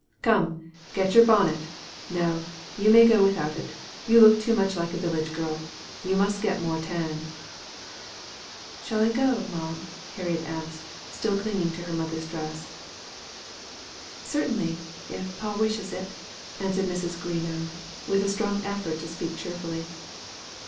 "Come, get your bonnet no; you may go without it. You look too much like a village girl. You must get more tan." "Shall I go, ma?" Harriet asked, still clinging to her mother's dress. "Certainly, if pa wishes it," answered Mrs. Greenough with a strong effort to speak cheerfully.